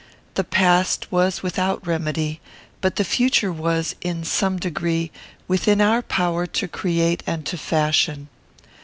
The past was without remedy; but the future was, in some degree, within our power to create and to fashion.